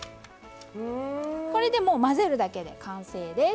これで混ぜるだけで完成です。